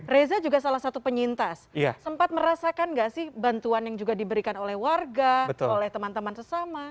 reza juga salah satu penyintas sempat merasakan nggak sih bantuan yang juga diberikan oleh warga oleh teman teman sesama